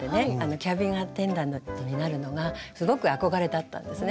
キャビンアテンダントになるのがすごく憧れだったんですね。